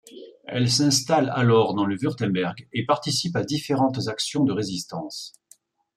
Elle s'installe alors dans le Wurtemberg et participe à différentes actions de résistance.